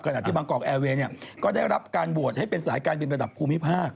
ที่บางกอกแอร์เวย์ก็ได้รับการโหวตให้เป็นสายการบินระดับภูมิภาค